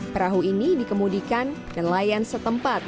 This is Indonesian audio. perahu ini dikemudikan nelayan setempat